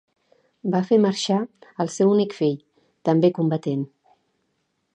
Va fer marxar al seu únic fill, també combatent.